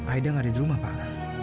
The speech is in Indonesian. aida nggak ada di rumah pak